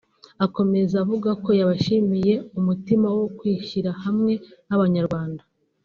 Akomeza avuga ko yabashimiye umutima wo kwishyira hamwe nk’Abanyarwanda